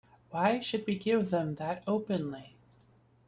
Why should we give them that openly?